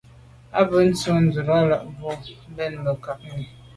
A be z’o tshob ndùlàlà mb’o bèn mbe nkagni.